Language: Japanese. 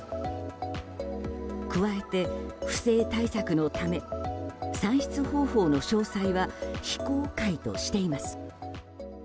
加えて、不正対策のため算出方法の詳細は非公開としています。